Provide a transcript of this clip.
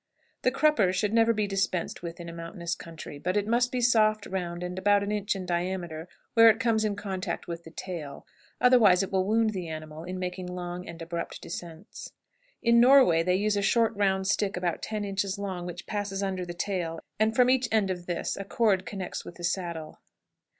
The crupper should never be dispensed with in a mountainous country, but it must be soft, round, and about an inch in diameter where it comes in contact with the tail, otherwise it will wound the animal in making long and abrupt descents. In Norway they use a short round stick, about ten inches long, which passes under the tail, and from each end of this a cord connects with the saddle.